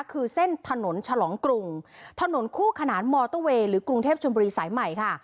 คือเส้นถนนฉลองกรุงถนนคู่ขนานมอเตอร์เวย์หรือกรุงเทพชมบุรีสายใหม่ค่ะ